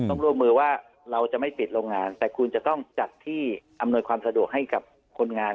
ร่วมมือว่าเราจะไม่ปิดโรงงานแต่คุณจะต้องจัดที่อำนวยความสะดวกให้กับคนงาน